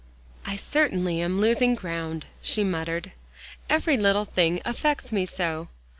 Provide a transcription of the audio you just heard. "I certainly am losing ground," she muttered, "every little thing affects me so.